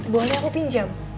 boleh aku pinjam